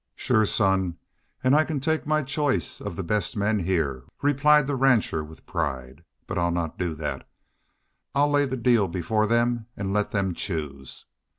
"Shore, son, an' I can take my choice of the best men heah," replied the rancher, with pride. "But I'll not do that. I'll lay the deal before them an' let them choose.